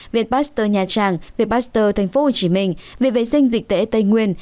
viện pasteur nhà trang viện pasteur tp hcm viện vệ sinh dịch tế tây nguyên